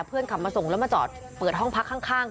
ขับมาส่งแล้วมาจอดเปิดห้องพักข้าง